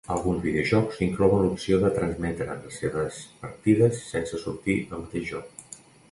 Alguns videojocs inclouen l'opció de transmetre les seves partides sense sortir del mateix joc.